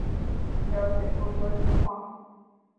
了解更多情况